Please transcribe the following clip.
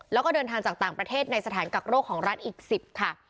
แล้วก็เดินทางจากต่างประเทศในสถานกักโรคของรัฐอีก๑๐ค่ะ